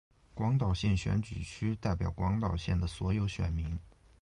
广岛县选举区代表广岛县的所有选民。